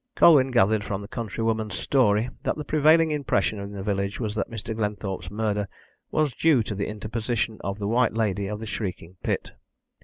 Colwyn gathered from the countrywoman's story that the prevailing impression in the village was that Mr. Glenthorpe's murder was due to the interposition of the White Lady of the Shrieking Pit.